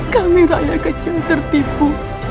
kami rakyat kecil tertipu